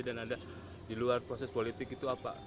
dan ada di luar proses politik itu apa